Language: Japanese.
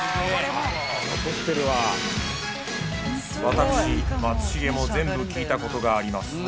私松重も全部聴いたことがあります